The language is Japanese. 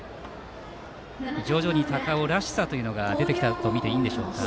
徐々に高尾らしさというのが出てきたとみていいんでしょうか。